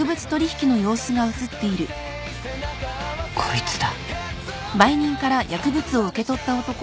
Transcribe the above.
こいつだ。